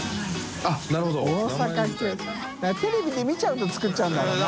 世テレビで見ちゃうと作っちゃうんだろうな。